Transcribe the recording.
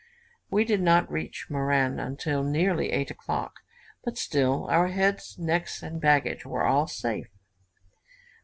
We did not reach Marand till nearly 8 o'clock; but still with our heads, necks, and baggage, all safe.